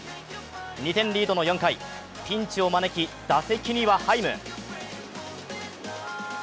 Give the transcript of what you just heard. ２点リードの４回ピンチを招き打席にはハイム。